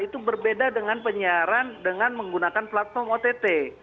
itu berbeda dengan penyiaran dengan menggunakan platform ott